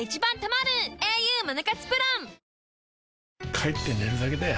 帰って寝るだけだよ